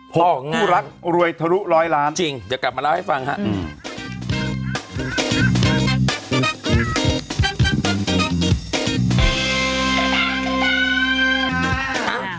พวกคู่รักรวยทะลุร้อยล้านจริงจะกลับมาเล่าให้ฟังฮะอืม